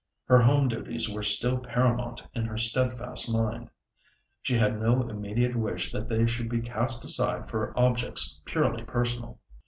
Her home duties were still paramount in her steadfast mind. She had no immediate wish that they should be cast aside for objects purely personal.